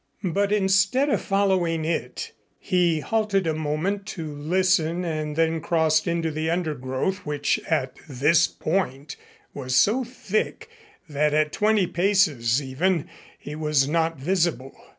But instead of following it, he halted a moment to listen and then crossed into the undergrowth which at this point was so thick that at twenty paces even he was not visible.